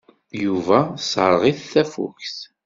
Yuba tesserɣ-it tafukt.